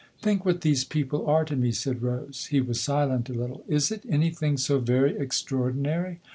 " Think what these people are to me/' said Rose. He was silent a little. " Is it anything so very extraordinary?